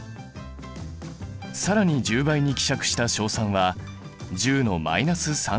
更に１０倍に希釈した硝酸は１０ｍｏｌ／Ｌ。